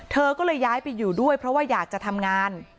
เธอก็เลยย้ายไปอยู่ด้วยเพราะว่าอยากจะทำงาน